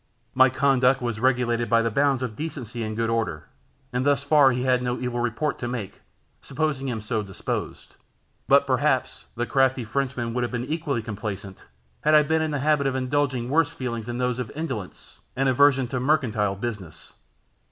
My conduct was regulated by the bounds of decency and good order, and thus far he had no evil report to make, supposing him so disposed; but, perhaps, the crafty Frenchman would have been equally complaisant, had I been in the habit of indulging worse feelings than those of indolence and aversion to mercantile business.